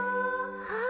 あ。